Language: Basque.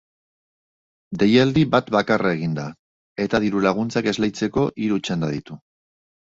Deialdi bat bakarra egin da, eta dirulaguntzak esleitzeko hiru txanda ditu.